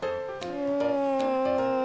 うん。